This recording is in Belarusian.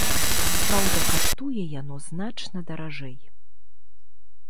Праўда, каштуе яно значна даражэй.